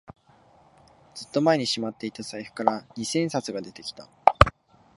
ずっと前にしまっていた財布から二千円札が出てきた